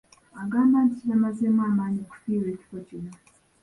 Agamba nti kibamazeemu amaanyi okufiirwa ekifo kino.